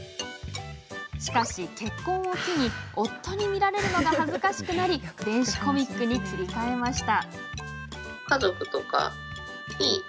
しかし、結婚を機に夫に見られるのが恥ずかしくなり電子コミックに切り替えました。